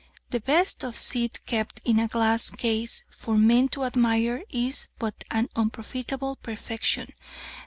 The best of seed kept in a glass case for men to admire is but an unprofitable perfection.